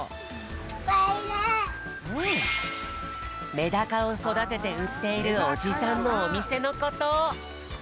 メダカをそだててうっているおじさんのおみせのこと。